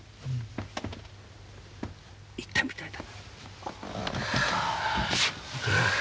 行ったみたいだ。